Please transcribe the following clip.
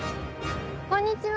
こんにちは。